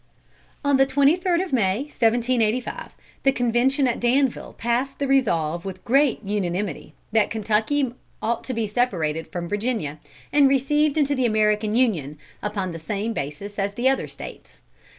On the twenty third of May, 1785, the convention at Danville passed the resolve with great unanimity that Kentucky ought to be separated from Virginia, and received into the American Union, upon the same basis as the other States.